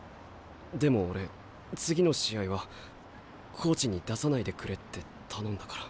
でも俺次の試合はコーチに出さないでくれって頼んだから。